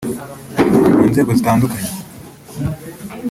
mu nzego zitandukanye